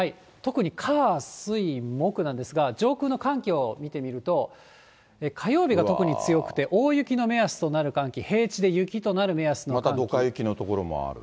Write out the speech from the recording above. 特に火、水、木なんですが、上空の寒気を見てみると、火曜日が特に強くて、大雪の目安となる寒気、平地で雪となる目安の寒気。